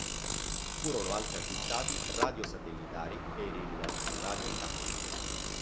Furono anche acquistati radio-satellitari per il radio-tracking.